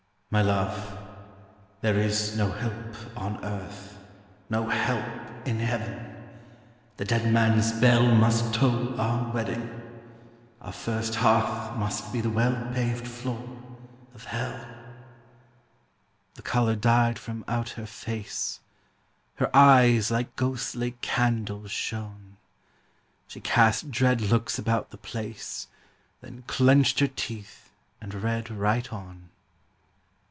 'My love, there is no help on earth, No help in heaven; the dead man's bell Must toll our wedding; our first hearth Must be the well paved floor of hell.' The colour died from out her face, Her eyes like ghostly candles shone; She cast dread looks about the place, Then clenched her teeth and read right on.